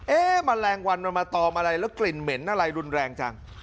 แมลงวันมันมาตอมอะไรแล้วกลิ่นเหม็นอะไรรุนแรงจัง